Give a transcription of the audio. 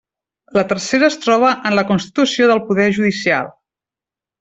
La tercera es troba en la constitució del poder judicial.